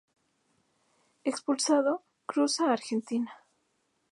Expulsado, cruza a Argentina.